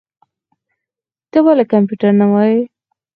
ته ولي کمپيوټر نه وايې؟